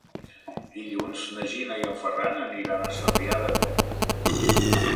Dilluns na Gina i en Ferran aniran a Sarrià de Ter.